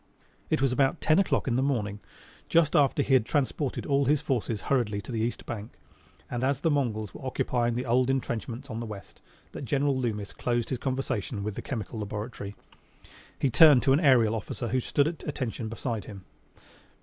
It was about ten o'clock in the morning, just after he had transported all his forces hurriedly to the east bank, and as the Mongols were occupying the old entrenchments on the west, that General Loomis closed his conversation with the Chemical Laboratory. He turned to an aerial officer who stood at attention beside him.